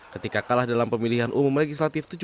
ketika kalah dalam pemilihan umum legislatif